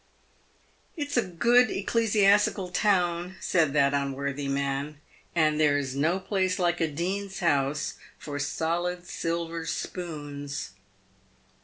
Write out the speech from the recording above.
" It's a good ecclesiastical town," said that unworthy man, " and there is no place like a dean's house for solid silver spoons."